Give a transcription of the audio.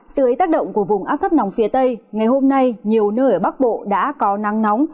dưới tác động của vùng áp thấp nóng phía tây ngày hôm nay nhiều nơi ở bắc bộ đã có nắng nóng